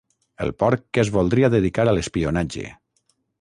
El porc que es voldria dedicar a l'espionatge.